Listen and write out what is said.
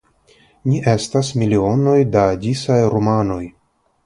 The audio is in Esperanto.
Ni estas milionoj da disaj rumanoj.